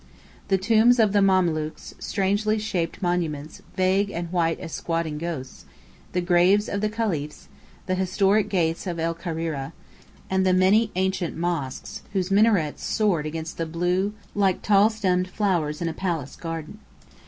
The tombs of the Mamelukes, strangely shaped monuments, vague and white as squatting ghosts; the graves of the Caliphs; the historic gates of el Kahira; and the many ancient mosques, whose minarets soared against the blue like tall stemmed flowers in a palace garden.